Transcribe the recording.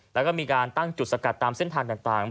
แล้วก็มีการตั้งจุดสกัดตามเส้นทางต่าง